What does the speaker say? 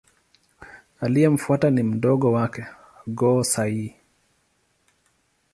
Aliyemfuata ni mdogo wake Go-Sai.